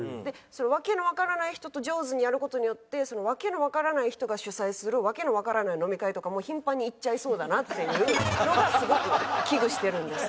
訳のわからない人と上手にやる事によって訳のわからない人が主催する訳のわからない飲み会とかも頻繁に行っちゃいそうだなっていうのがすごく危惧してるんです。